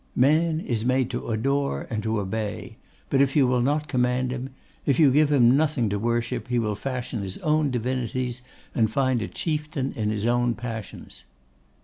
'Man is made to adore and to obey: but if you will not command him, if you give him nothing to worship, he will fashion his own divinities, and find a chieftain in his own passions.